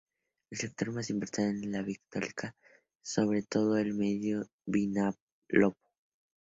El sector más importante es el vitivinícola, sobre todo en el Medio Vinalopó.